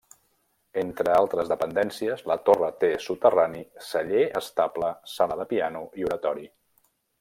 Entre altres dependències, la torre té soterrani, celler, estable, sala de piano i oratori.